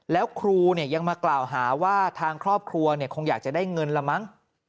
แล้วครูยังมากล่าวหาว่าทางครอบครัวคงอยากจะได้เงินละมั้ง